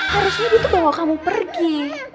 harusnya dia tuh bawa kamu pergi